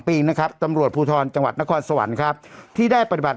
ปีนะครับตำรวจภูทรจังหวัดนครสวรรค์ครับที่ได้ปฏิบัติ